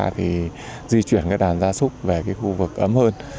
thì di chuyển đàn gia súc về khu vực ấm hơn